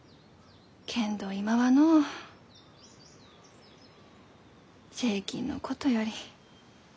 けんど今はのう税金のことより。